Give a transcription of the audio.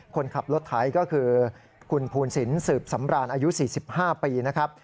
คนขับรถไถก็คือคุณภูนศิลปสืบสำราญอายุ๔๕ปีนะครับ